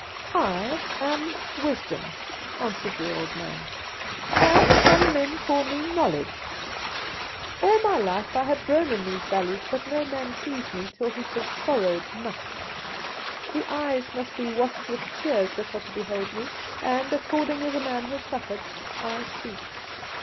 "'I am Wisdom,' answered the old man; 'but some men call me Knowledge. All my life I have grown in these valleys; but no man sees me till he has sorrowed much. The eyes must be washed with tears that are to behold me; and, according as a man has suffered, I speak.